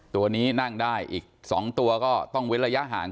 ตัวนี้นั่งได้อีก๒ตัวก็ต้องเว้นระยะห่าง